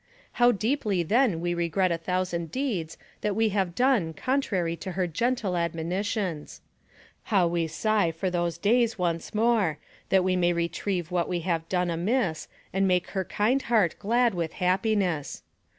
How deeply then we regret a thousand deeds that we have done contrary to her gentle admonitions ! How we sigh for those days once more, that we may retrieve what we have done amiss and make her kind heart glad with happiness!